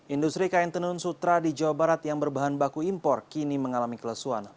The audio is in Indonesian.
industri kain tenun sutra di jawa barat yang berbahan baku impor kini mengalami kelesuan